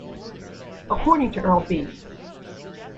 According to Earl B.